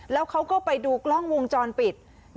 แล้วเขาก็ไปดูกล้องวงจรปิด